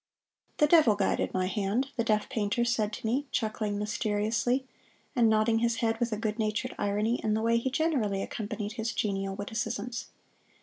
"The devil guided my hand," the deaf painter said to me, chuckling mysteriously, and nodding his head with a good natured irony in the way he generally accompanied his genial witticisms.